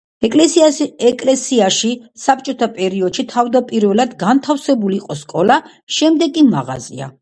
ეკლესიაში საბჭოთა პერიოდში თავდაპირველად განთავსებული იყო სკოლა, შემდეგ კი მაღაზია.